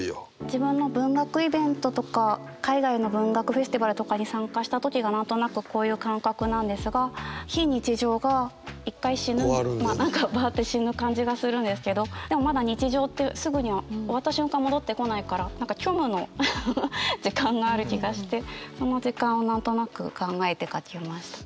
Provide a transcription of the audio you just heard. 自分の文学イベントとか海外の文学フェスティバルとかに参加した時が何となくこういう感覚なんですが非日常が一回死ぬ何かバアって死ぬ感じがするんですけどでもまだ日常ってすぐには終わった瞬間戻ってこないから何か虚無の時間がある気がしてその時間を何となく考えて書きました。